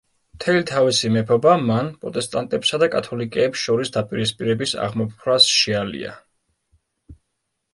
მთელი თავისი მეფობა მან პროტესტანტებსა და კათოლიკეებს შორის დაპირისპირების აღმოფხვრას შეალია.